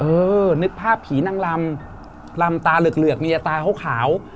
นึกภาพผีนางลำลำตาเหลือกเมียตาขาว